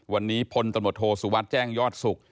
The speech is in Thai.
วันนี้พลตำรวจโทสุวัตรแจ้งยอดสุข